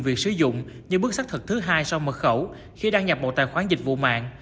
việc sử dụng như bước xác thực thứ hai sau mật khẩu khi đăng nhập một tài khoản dịch vụ mạng